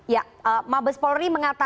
ya mabes polri mengatakan